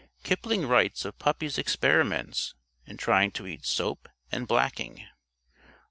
Kipling writes of puppies' experiments in trying to eat soap and blacking.